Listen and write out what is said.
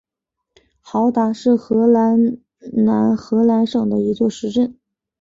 豪达是荷兰南荷兰省的一座市镇。